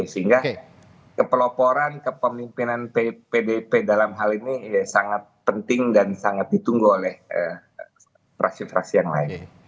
sehingga kepeloporan kepemimpinan pdp dalam hal ini sangat penting dan sangat ditunggu oleh fraksi fraksi yang lain